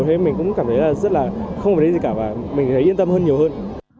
thế mình cũng cảm thấy là rất là không có gì gì cả và mình thấy yên tâm hơn nhiều hơn